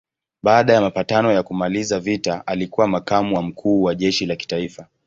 Baada ya mapatano ya kumaliza vita alikuwa makamu wa mkuu wa jeshi la kitaifa.